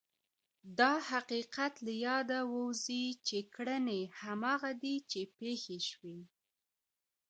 دا حقیقت له یاده ووځي چې کړنې هماغه دي چې پېښې شوې.